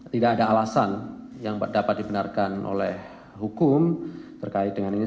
tidak ada alasan yang dapat dibenarkan oleh hukum terkait dengan ini